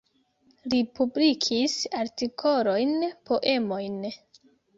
Li publikis artikolojn, poemojn.